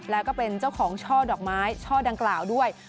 แล้วก็เป็นเจ้าของช่อดอกไม้ช่อดังกล่าวด้วย